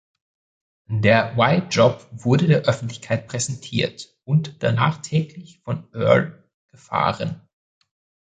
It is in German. Der Y-Job wurde der Öffentlichkeit präsentiert und danach täglich von Earl gefahren.